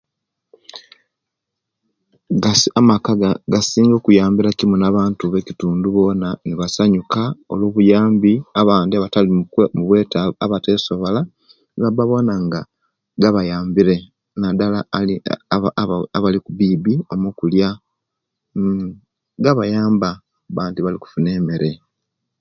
Gasi amaka agasinga okuyambira kimu nabantu nekitundu bona basnyuka oluwo buyambi abandi abatili abatali mukwesobola nibaba bona nga gabayambire nadala aba aba abali kubibi mukulya gabayamba okuba nti Bali kufuna emere